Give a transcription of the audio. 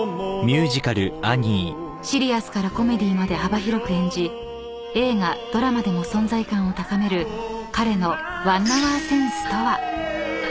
［シリアスからコメディーまで幅広く演じ映画ドラマでも存在感を高める彼の］